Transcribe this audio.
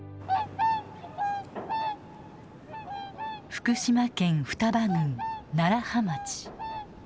福島県双葉郡楢葉町。